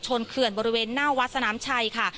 เขื่อนบริเวณหน้าวัดสนามชัยค่ะ